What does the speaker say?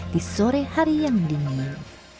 di sore hari yang dingin